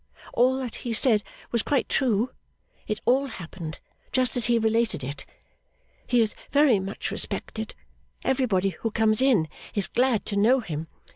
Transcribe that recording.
All that he said was quite true. It all happened just as he related it. He is very much respected. Everybody who comes in, is glad to know him.